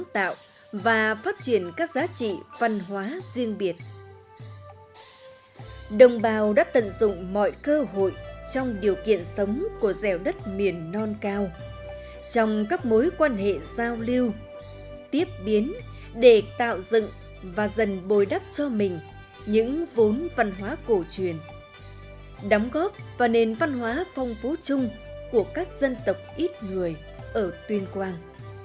trong điều kiện sống của dẻo đất miền non cao trong các mối quan hệ giao lưu tiếp biến để tạo dựng và dần bồi đắp cho mình những vốn văn hóa cổ truyền đóng góp và nền văn hóa phong phú chung của các dân tộc ít người ở tuyên quang